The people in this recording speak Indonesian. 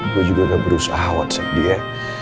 gue juga udah berusaha whatsapp dia